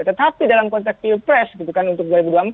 tetapi dalam konteks pilpres gitu kan untuk dua ribu dua puluh empat